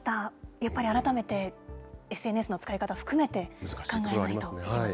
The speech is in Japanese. やっぱり、改めてＳＮＳの使い方を含めて考えないといけませんね。